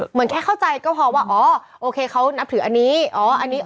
เหมือนแค่เข้าใจก็พอว่าโอเคเขานับถืออันนี้